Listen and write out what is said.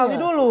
tiga kali dulu